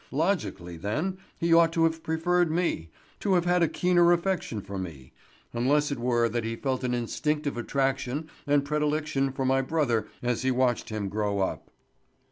Logically, then, he ought to have preferred me, to have had a keener affection for me—unless it were that he felt an instinctive attraction and predilection for my brother as he watched him grow up."